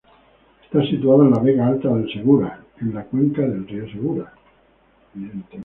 Está situada en la Vega Alta del Segura, en la cuenca del río Segura.